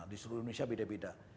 di seluruh indonesia beda beda